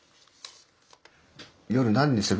夜何にする？